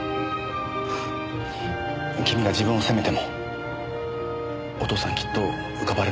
君が自分を責めてもお父さんきっと浮かばれないよ。